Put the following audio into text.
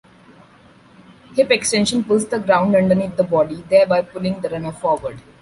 Hip extension pulls the ground underneath the body, thereby pulling the runner forward.